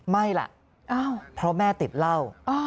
ไม่ล่ะเพราะแม่ติดเหล้า